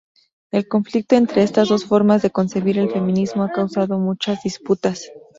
El conflicto entre estas dos formas de concebir el feminismo ha causado muchas disputas.